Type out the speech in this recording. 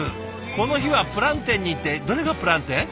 この日はプランテンにってどれがプランテン？